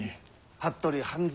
服部半三